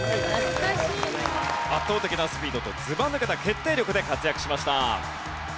圧倒的なスピードとずば抜けた決定力で活躍しました。